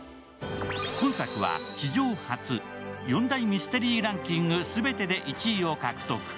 今作は、史上初４大ミステリーランキング全てで１位を獲得。